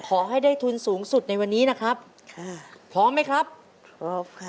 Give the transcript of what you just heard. ขอให้ได้ทุนสูงสุดในวันนี้นะครับค่ะพร้อมไหมครับพร้อมค่ะ